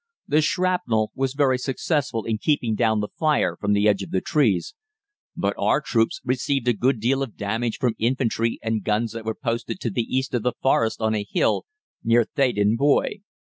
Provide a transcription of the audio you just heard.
The shrapnel was very successful in keeping down the fire from the edge of the trees, but our troops received a good deal of damage from infantry and guns that were posted to the east of the Forest on a hill near Theydon Bois.